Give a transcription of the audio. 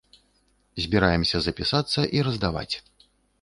Збіраемся запісацца і раздаваць.